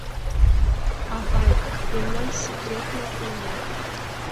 — Авай, мемнан секретна уло.